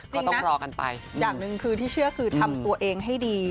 จริงนะอย่างนึงคือที่เชื่อคือทำตัวเองให้ดี